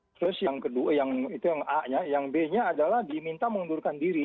terus yang kedua yang itu yang a nya yang b nya adalah diminta mengundurkan diri